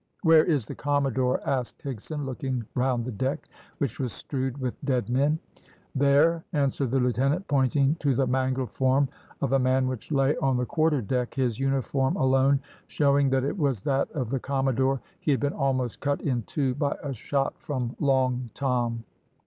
"Where is the commodore?" asked Higson, looking round the deck, which was strewed with dead men. "There!" answered the lieutenant, pointing to the mangled form of a man which lay on the quarter deck, his uniform alone showing that it was that of the commodore. He had been almost cut in two by a shot from Long Tom.